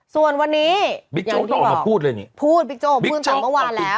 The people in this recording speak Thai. ส่วนวันนี้บิ๊กโจ๊กต้องออกมาพูดเลยนี่พูดบิ๊กโจ๊กพูดตั้งแต่เมื่อวานแล้ว